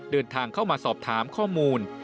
เดินทางเข้ามาสอบถามข้อมูล